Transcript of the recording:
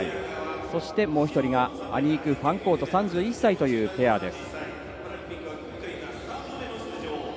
そして、アニーク・ファンコート３１歳というペアです。